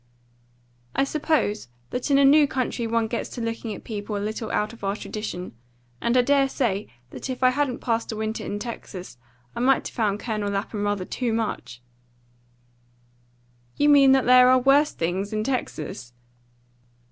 "I suppose that in a new country one gets to looking at people a little out of our tradition; and I dare say that if I hadn't passed a winter in Texas I might have found Colonel Lapham rather too much." "You mean that there are worse things in Texas?"